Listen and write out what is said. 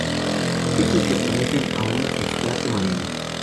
Estos pertenecen a un estrato marino.